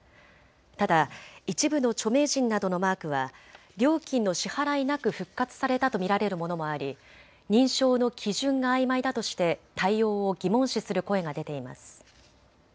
ただ一部の著名人などのマークは料金の支払いなく復活されたと見られるものもあり認証の基準があいまいだとして対応を疑問視する声が出ています。